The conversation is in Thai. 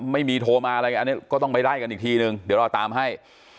โทรมาอะไรอันนี้ก็ต้องไปไล่กันอีกทีนึงเดี๋ยวเราตามให้